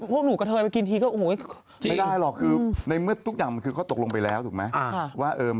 พวกหนูกับเธอไปกินไม่ได้หรอกน้อยเมื่อทุกอย่างเขาตกลงไปแล้วถูกไหม